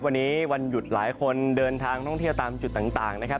วันนี้วันหยุดหลายคนเดินทางท่องเที่ยวตามจุดต่างนะครับ